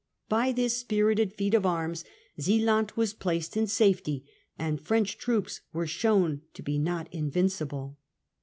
By this spirited feat of arms Zealand was placed in safety, and French troops were shown to be not invincible.